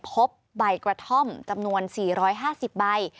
พบใบกระท่อมจำนวน๔๕๐ใบ